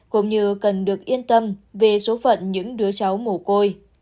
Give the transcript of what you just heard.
cũng như cần được yên tâm về số phận những đứa cháu mồ côi